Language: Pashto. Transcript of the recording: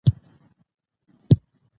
ازادي راډیو د اداري فساد ستر اهميت تشریح کړی.